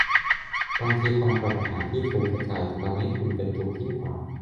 บางทีความปรารถนาที่ฟุ้งกระจายจะทำให้คุณเป็นทุกข์ยิ่งกว่า